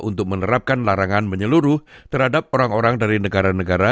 untuk menerapkan larangan menyeluruh terhadap orang orang dari negara negara